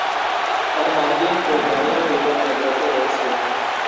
তার মার্কিন ও ডেনীয় দ্বৈত নাগরিকত্ব রয়েছে।